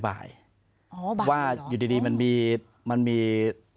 อ๋อบ่ายหรอเหรอเหรอว่าอยู่ทีดีมันมี